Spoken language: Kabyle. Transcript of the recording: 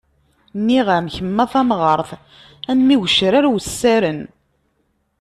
Nniɣ-am kemm a tamɣart, a mm igecrar wessaren.